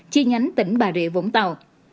chi nhánh tỉnh bà rịa vũng tàu